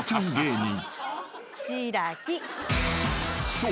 ［そう。